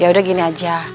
ya udah gini aja